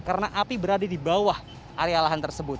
karena api berada di bawah area lahan tersebut